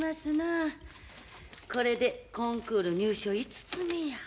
これでコンクール入賞５つ目や。